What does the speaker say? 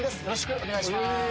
よろしくお願いします。